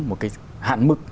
một cái hạn mức